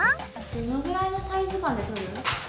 どのくらいのサイズ感で撮る？